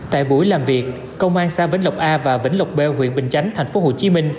tại buổi làm việc công an xã vĩnh lộc a và vĩnh lộc b huyện bình chánh tp hcm